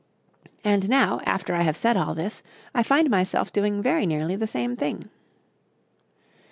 And now, after I have said all this, I find myself doing very nearly the same thing.